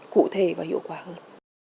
cụ thể và hiệu quả hơn